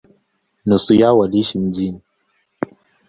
Nusu yao waliishi mjini.